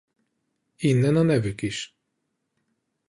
Innen a nevük is.